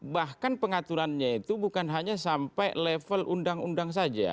bahkan pengaturannya itu bukan hanya sampai level undang undang saja